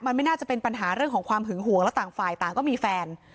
มันไม่น่าจะเป็นปัญหาเรื่องของความหึงห่วงแล้วต่างฝ่ายต่างก็มีแฟน